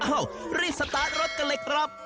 รีบสตาร์ทรถกันเลยครับ